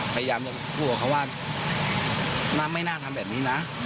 พยายามจะพูดกับเขาว่าไม่น่าทำแบบนี้นะ